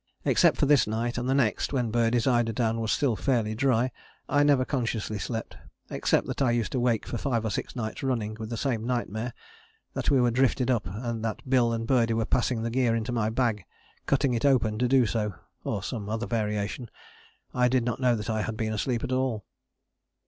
Except for this night, and the next when Birdie's eider down was still fairly dry, I never consciously slept; except that I used to wake for five or six nights running with the same nightmare that we were drifted up, and that Bill and Birdie were passing the gear into my bag, cutting it open to do so, or some other variation, I did not know that I had been asleep at all."